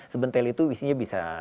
sebentel itu isinya bisa